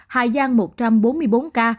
thành phố hồ chí minh một trăm sáu mươi tám ca